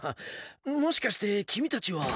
もしかしてきみたちは。